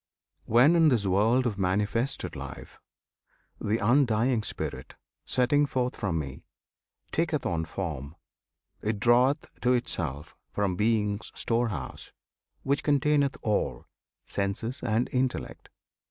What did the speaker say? When, in this world of manifested life, The undying Spirit, setting forth from Me, Taketh on form, it draweth to itself From Being's storehouse, which containeth all, Senses and intellect.